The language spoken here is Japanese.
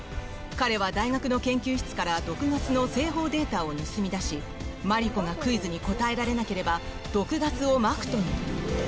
彼は大学の研究室から毒ガスの製法データを盗み出しマリコがクイズに答えられなければ毒ガスをまくという。